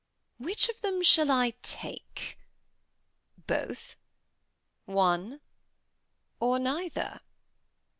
Which of them shall I take? Both? one? or neither?